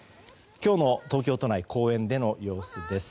今日の東京都内公園での様子です。